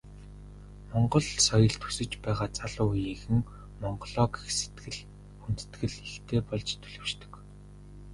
Монгол соёлд өсөж байгаа залуу үеийнхэн Монголоо гэх сэтгэл, хүндэтгэл ихтэй болж төлөвшдөг.